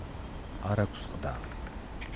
არ აქვს ყდა.